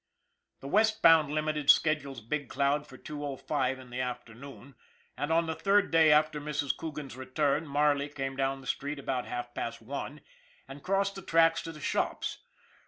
The Westbound Limited schedules Big Cloud for 2 : 05 in the afternoon, and on the third day after Mrs. Coogan's return Marley came down the street about half past one, and crossed the tracks to the shops.